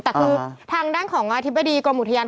แต่คือทางด้านของอธิบดีกรมอุทยาน